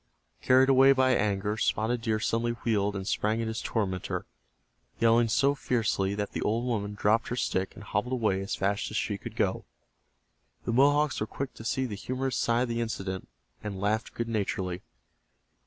Carried away by anger, Spotted Deer suddenly wheeled and sprang at his tormentor, yelling so fiercely that the old woman dropped her stick and hobbled away as fast as she could go. The Mohawks were quick to see the humorous side of the incident, and laughed good naturedly.